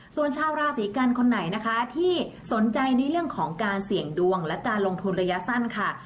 ส่วนชาวราศีกันคนไหนนะคะที่สนใจในเรื่องของการเสี่ยงดวงและการลงทุนระยะสั้นค่ะ